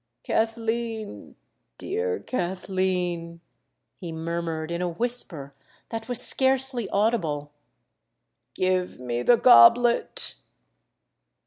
"Kathleen—dear Kathleen," he murmured in a whisper that was scarcely audible; "give me the goblet!"